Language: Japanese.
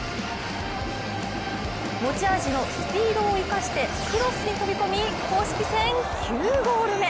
持ち味のスピードを生かしてクロスに飛び込み公式戦９ゴール目。